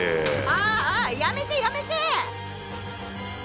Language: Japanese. ああやめてやめて！